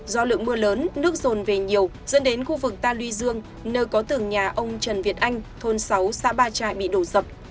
do lượng mưa lớn nước rồn về nhiều dẫn đến khu vực ta luy dương nơi có tường nhà ông trần việt anh thôn sáu xã ba trại bị đổ sập